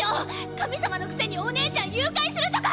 神様のくせにお姉ちゃん誘拐するとか！